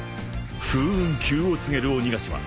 ［風雲急を告げる鬼ヶ島］